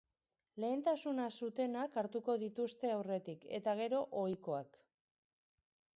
Lehentasuna zutenak hartuko dituzte aurretik, eta gero ohikoak.